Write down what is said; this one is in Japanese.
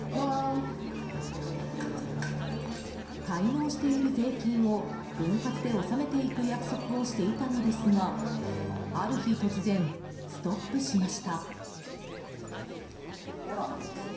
滞納している税金を分割で納めていく約束をしていたのですがある日突然ストップしました。